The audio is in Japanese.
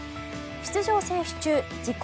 出場選手中自己